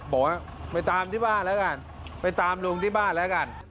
บอกว่าไปตามที่บ้านแล้วกันไปตามลุงที่บ้านแล้วกัน